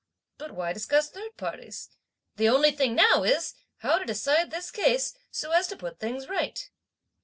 But why discuss third parties? The only thing now is how to decide this case, so as to put things right."